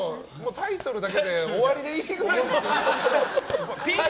タイトルだけで終わりでいいぐらいですよ。